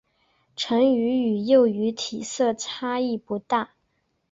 成鱼与幼鱼体色差异不大。